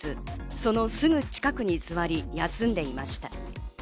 そのすぐ近くに座り休んでいました。